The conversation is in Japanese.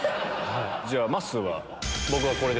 じゃあまっすーは？